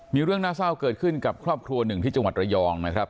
มีเรื่องน่าเศร้าเกิดขึ้นกับครอบครัวหนึ่งที่จังหวัดระยองนะครับ